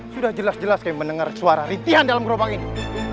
sudah jelas jelas kami mendengar suara rintian dalam gerobak ini